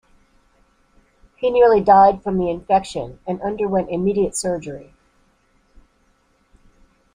He nearly died from the infection, and underwent immediate surgery.